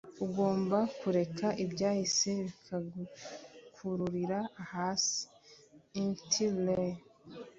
ugomba kureka ibyahise bikagukururira hasi - amit ray